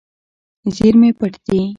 زیرمې پټ دي.